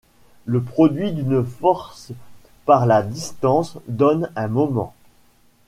Le produit d'une force par la distance donne un moment.